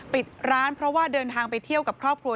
ปิดร้านเพราะว่าเดินทางไปเที่ยวกับครอบครัว